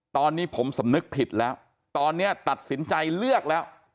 ตอนนี้ผมสำนึกผิดแล้วตอนนี้ตัดสินใจเลือกแล้ว